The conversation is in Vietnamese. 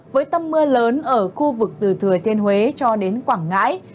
với tâm mưa lớn ở khu vực từ thừa thiên huế cho đến quảng ngãi